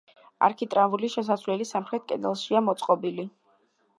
არქიტრავული შესასვლელი სამხრეთ კედელშია მოწყობილი.